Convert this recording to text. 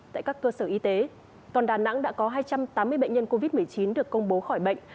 tại các cơ sở y tế còn đà nẵng đã có hai trăm tám mươi bệnh nhân covid một mươi chín được công bố khỏi bệnh